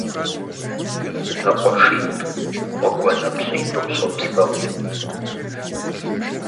ЗэкъуэшитӀ гъуэгунапщӀитӀым щопсэу.